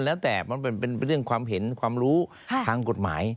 แล้วแต่มันเป็นเรื่องความเห็นความรู้ทางกฎหมาย